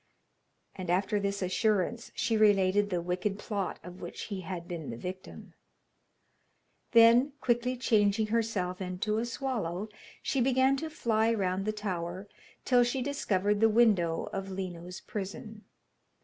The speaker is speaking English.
And after this assurance, she related the wicked plot of which he had been the victim. Then, quickly changing herself into a swallow, she began to fly round the tower, till she discovered the window of Lino's prison.